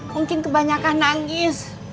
mungkin kebanyakan nangis